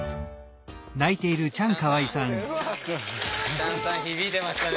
チャンさん響いてましたね。